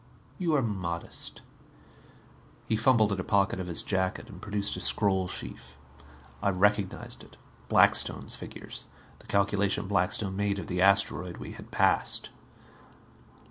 "You are modest." He fumbled at a pocket of his jacket, produced a scroll sheaf. I recognized it. Blackstone's figures. The calculation Blackstone made of the asteroid we had passed.